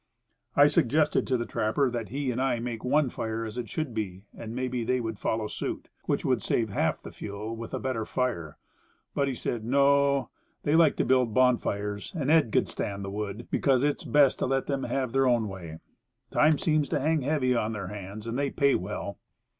I suggested to the trapper that he and I make one fire as it should be, and maybe they would follow suit which would save half the fuel, with a better fire. But he said, "No; they like to build bonfires, and 'Ed.' can stand the wood, because it is best to let them have their own way. Time seems to hang heavy on their hands and they pay well."